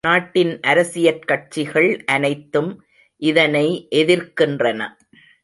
நாட்டின் அரசியற் கட்சிகள் அனைத்தும் இதனை எதிர்க்கின்றன.